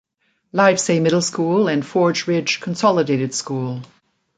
Livesay Middle School and Forge Ridge Consolidated School.